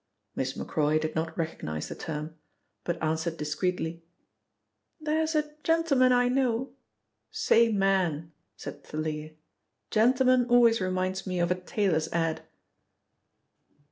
Miss Macroy did not recognise the term but answered discreetly: "There's a gentleman I know " "Say 'man'," said Thalia. "Gentleman always reminds me of a tailor's ad."